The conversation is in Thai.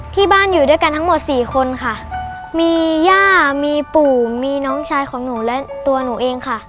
ที่บ้านอยู่ด้วยกันทั้งหมดสี่คนค่ะมีย่ามีปู่มีน้องชายของหนูและตัวหนูเองค่ะ